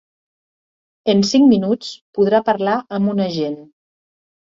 En cinc minuts podrà parlar amb un agent.